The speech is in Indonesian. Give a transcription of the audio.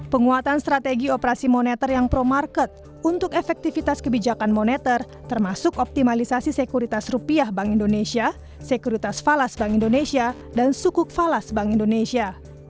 penguatan strategi operasi moneter yang pro market untuk efektivitas kebijakan moneter termasuk optimalisasi sekuritas rupiah bank indonesia sekuritas falas bank indonesia dan sukuk falas bank indonesia